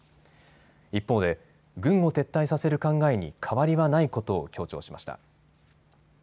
一方で軍を撤退させる考えに変わりはないことを強調しました。